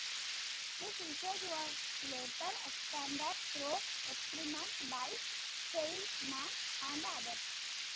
This research was later expanded through experiments by Seligman and others.